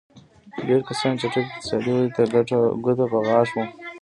ډېری کسان چټکې اقتصادي ودې ته ګوته په غاښ وو.